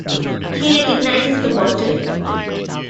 He recognises the bottle.